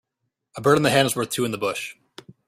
A bird in the hand is worth two in the bush